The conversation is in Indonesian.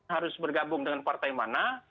harus bergabung dengan partai mana